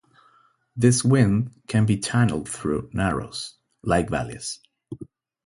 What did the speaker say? This wind can be channeled through narrows, like valleys.